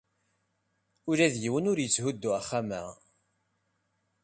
Ula d yiwen ur yetthuddu axxam-a.